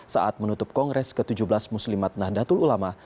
saat menutup kongres ke tujuh belas muslimat nahdlatul ulama